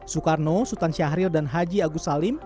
soekarno sultan syahril dan haji agus salim